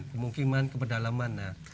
pemukiman ke pedalaman